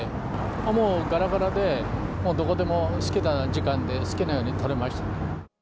もうがらがらで、どこでも好きな時間で、好きなように取れました。